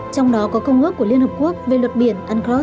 trong đó có công ước của liên hợp quốc về luật biển unc